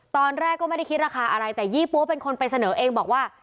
ตอนแรกก็ไม่ได้คิดราคาอะไรแต่ยี่ปั๊วเป็นคนไปเสนอเองบอกว่า